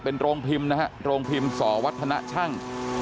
เป็นโรงพิมศ์นะฮะโรงพิมศ์ศวัฒนชั่ง